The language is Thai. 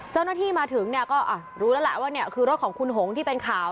เจ้าหน้าที่มาถึงเนี่ยก็รู้แล้วแหละว่าเนี่ยคือรถของคุณหงที่เป็นข่าว